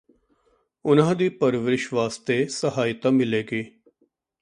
ਉਨ੍ਹਾਂ ਦੀ ਪਰਵਰਿਸ਼ ਵਾਸਤੇ ਸਹਾਇਤਾ ਮਿਲੇਗੀ